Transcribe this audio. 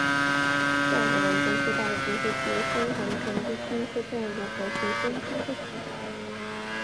太阳走廊中最大的都会区为凤凰城都会区太阳谷和图森都会区。